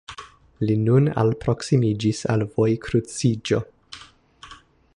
li nun alproksimiĝis al vojkruciĝo.